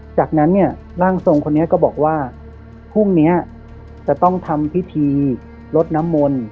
จากนั้นเนี่ยร่างทรงคนนี้ก็บอกว่าพรุ่งนี้จะต้องทำพิธีลดน้ำมนต์